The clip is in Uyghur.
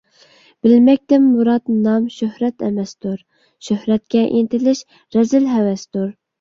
بىلمەكتىن مۇرات – نام - شۆھرەت ئەمەستۇر، شۆھرەتكە ئىنتىلىش رەزىل ھەۋەستۇر.